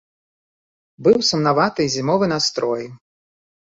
Быў сумнаваты зімовы настрой.